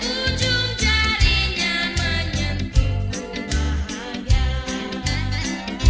ujung jarinya menyentuhku bahagia